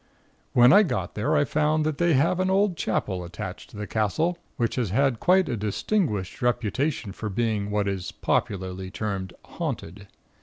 "When I got there, I found that they have an old Chapel attached to the castle which has had quite a distinguished reputation for being what is popularly termed 'haunted.'